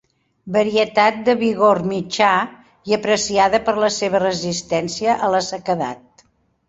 Varietat de vigor mitjà i apreciada per la seva resistència a la sequedat.